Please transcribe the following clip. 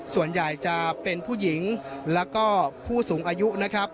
ส่วนใหญ่จะเป็นผู้หญิงแล้วก็ผู้สูงอายุนะครับ